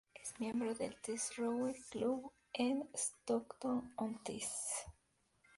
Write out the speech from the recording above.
Es miembro del Tees Rowing Club, en Stockton-on-Tees.